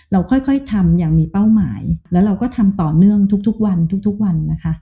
เราค่อยทำอย่างมีเป้าหมายแล้วเราก็ทำต่อเนื่องทุกวันทุกวันนะคะ